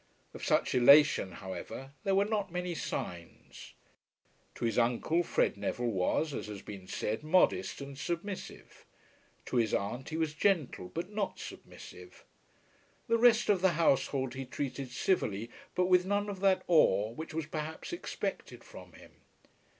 Of such elation, however, there were not many signs. To his uncle, Fred Neville was, as has been said, modest and submissive; to his aunt he was gentle but not submissive. The rest of the household he treated civilly, but with none of that awe which was perhaps expected from him.